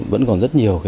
vẫn còn rất nhiều